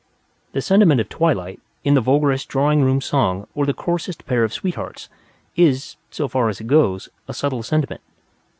The sentiment of twilight, in the vulgarest drawing room song or the coarsest pair of sweethearts, is, so far as it goes, a subtle sentiment.